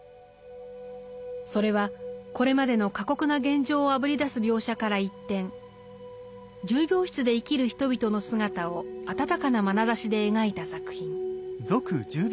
それはこれまでの過酷な現状をあぶり出す描写から一転重病室で生きる人々の姿を温かなまなざしで描いた作品。